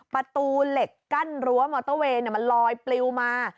ประตูเหล็กกั้นรั้วมอเตอร์เวย์มันลอยปลิวมา